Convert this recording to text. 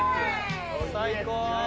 最高。